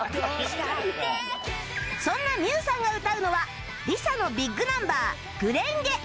そんな Ｍｉｕ さんが歌うのは ＬｉＳＡ のビッグナンバー『紅蓮華』